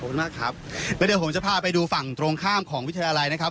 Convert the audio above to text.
มากครับแล้วเดี๋ยวผมจะพาไปดูฝั่งตรงข้ามของวิทยาลัยนะครับ